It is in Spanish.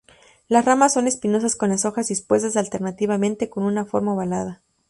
Las ramas son espinosas con las hojas dispuestas alternativamente, con una forma ovalada.